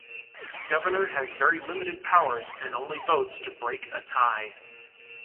Governor has very limited powers and only votes to break a tie.